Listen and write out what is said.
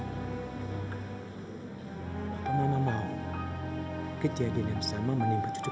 apa mama mau kejadian yang sama menimpa cucu kita juga